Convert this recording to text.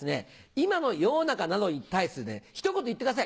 今の世の中などに対してひと言言ってください。